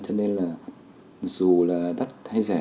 cho nên là dù là đắt hay rẻ